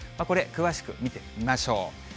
これ、詳しく見てみましょう。